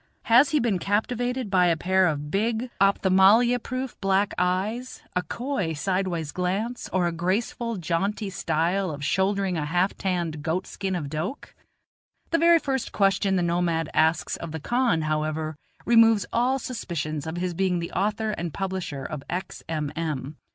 has he been captivated by a pair of big, opthamalmia proof, black eyes, a coy sidewise glance, or a graceful, jaunty style of shouldering a half tanned goat skin of doke? The very first question the nomad asks of the khan, however, removes all suspicions of his being the author and publisher of X. M. M.